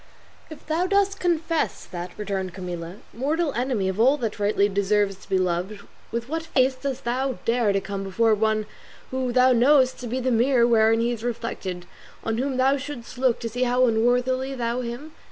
"If thou dost confess that," returned Camilla, "mortal enemy of all that rightly deserves to be loved, with what face dost thou dare to come before one whom thou knowest to be the mirror wherein he is reflected on whom thou shouldst look to see how unworthily thou him?